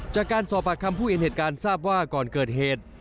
จากการสอบปากคำผู้เห็นเหตุการณ์ทราบว่าก่อนเกิดเหตุ